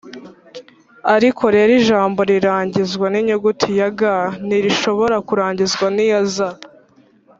ariko rero ijambo rirangizwa n’inyuguti ya “ga” ntirishobora kurangizwa n’iya “za